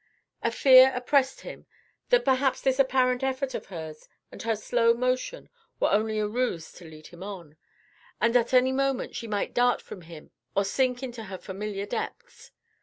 A fear oppressed him that perhaps this apparent effort of hers and her slow motion were only a ruse to lead him on that at any moment she might dart from him or sink into her familiar depths.